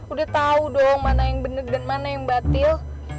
udah tahu dong mana yang benar dan mana yang batil